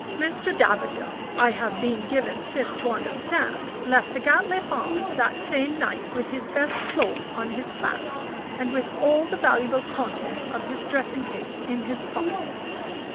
Mr. Davager, I have been since given to understand, left the Gatliffe Arms that same night with his best clothes on his back, and with all the valuable contents of his dressing case in his pockets.